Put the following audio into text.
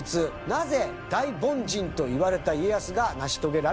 なぜ大凡人といわれた家康が成し遂げられたのか？